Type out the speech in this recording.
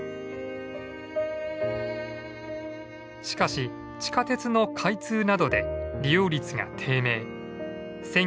しかし地下鉄の開通などで利用率が低迷。